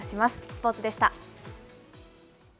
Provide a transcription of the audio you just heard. スポーツでした。